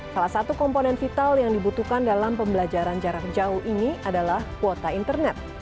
salah satu komponen vital yang dibutuhkan dalam pembelajaran jarak jauh ini adalah kuota internet